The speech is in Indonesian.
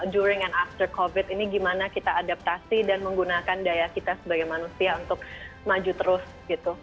douring and after covid ini gimana kita adaptasi dan menggunakan daya kita sebagai manusia untuk maju terus gitu